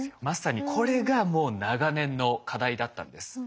まさにこれがもう長年の課題だったんです。